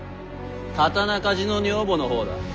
刀鍛冶の女房の方だ。